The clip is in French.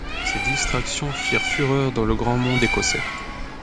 Ses distractions firent fureur dans le grand monde écossais.